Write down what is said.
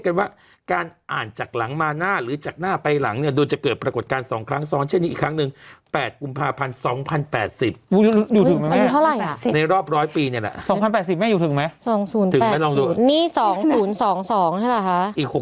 ๖๘ปีค่ะอีก๖๐ปีครับแอ็งจี๊ไม่น่าจะถึง๑๐๘ปีค่ะ